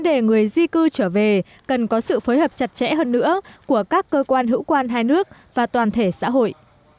để người di cư trở về cần có sự phối hợp chặt chẽ hơn nữa của các cơ quan hữu quan hai nước và toàn thể xã hội